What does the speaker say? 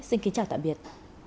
xin kính chào tạm biệt